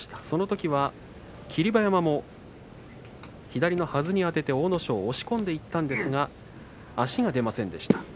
そのときは霧馬山も左のはずにあてて阿武咲を押し込んでいったんですが足が出ませんでした。